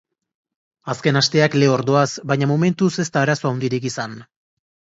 Azken asteak lehor doaz, baina momentuz ez da arazo handirik izan.